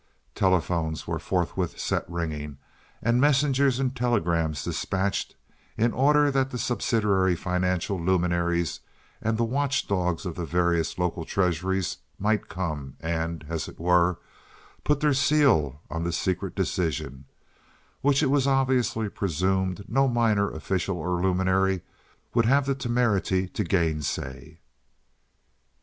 Telephones were forthwith set ringing and messengers and telegrams despatched in order that the subsidiary financial luminaries and the watch dogs of the various local treasuries might come and, as it were, put their seal on this secret decision, which it was obviously presumed no minor official or luminary would have the temerity to gainsay.